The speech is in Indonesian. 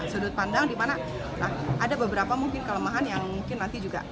sudut pandang dimana ada beberapa mungkin kelemahan yang mungkin nanti juga